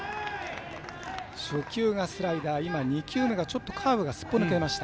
初球がスライダー２球目が、ちょっとカーブがすっぽ抜けました。